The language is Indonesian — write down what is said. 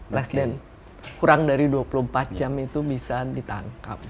presiden kurang dari dua puluh empat jam itu bisa ditangkap